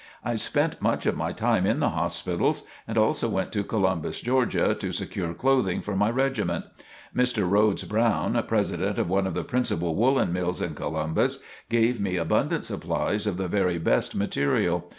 I spent much of my time in the hospitals, and also went to Columbus, Georgia, to secure clothing for my regiment. Mr. Rhodes Brown, President of one of the principal woolen mills in Columbus, gave me abundant supplies of the very best material.